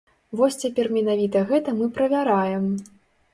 Вось цяпер менавіта гэта мы правяраем.